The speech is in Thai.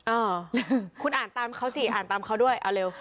เออคุณอ่านตามเขาสิอ่านตามเขาด้วยเอาเร็ว